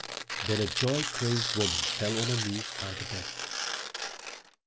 Then a joy crazed woman fell on her knees by the bed.